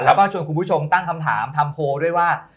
แล้วก็ชวนคุณผู้ชมตั้งคำถามทำโพลด้วยว่า